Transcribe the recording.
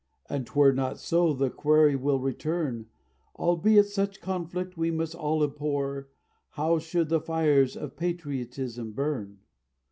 And 'twere not so, the query will return, Albeit such conflict we must all abhor How should the fires of patriotism burn?